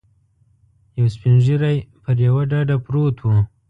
یو سپین ږیری پر یوه ډډه پروت و.